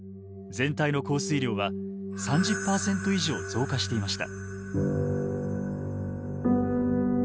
全体の降水量は３０％以上増加していました。